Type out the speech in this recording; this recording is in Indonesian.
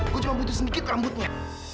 gue cuma butuh sedikit rambutnya